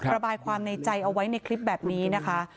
ระบายความในใจเอาไว้ในคลิปแบบนี้นะคะ